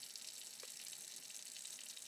راکټ له سختو ازموینو وروسته جوړېږي